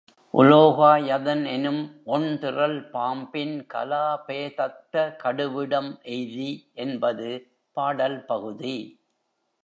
உலோகாயதன் எனும் ஒண்திறல் பாம்பின் கலா பேதத்த கடுவிடம் எய்தி என்பது பாடல் பகுதி.